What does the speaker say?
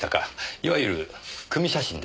いわゆる組み写真ですね？